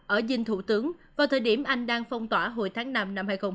ở dinh thủ tướng vào thời điểm anh đang phong tỏa hồi tháng năm năm hai nghìn hai mươi